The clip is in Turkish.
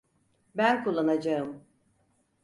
Ben kullanacağım.